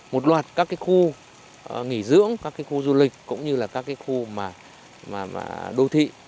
một loạt các khu nghỉ dưỡng các khu du lịch cũng như các khu đô thi